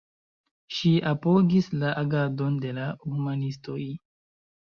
Ŝi apogis la agadon de la humanistoj.